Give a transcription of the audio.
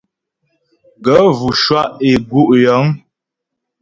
Gaə̂ vʉ shwá' é gú' yəŋ.